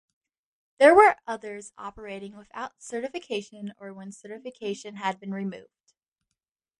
There were others operating without certification or when certification had been removed.